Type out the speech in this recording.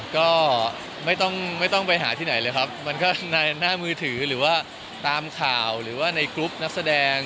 ก็ไม่ต้องไม่ต้องไปหาที่ไหนเลยครับมันก็ในหน้ามือถือหรือว่าตามข่าวหรือว่าในกรุ๊ปนักแสดง